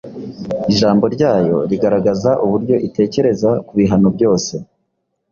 Ijambo ryayo rigaragaza uburyo itekereza ku bihano byose